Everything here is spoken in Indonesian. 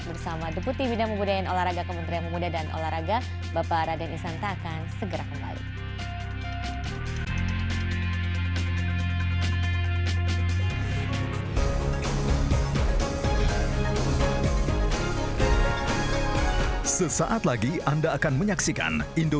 bersama deputi bidang pemudayaan olahraga kementerian pemuda dan olahraga bapak raden isanta akan segera kembali